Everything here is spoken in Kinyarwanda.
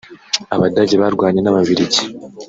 Abadage barwanye n’Ababiligi